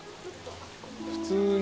普通に。